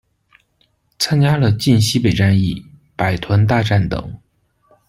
参加了晋西北战役、百团大战等。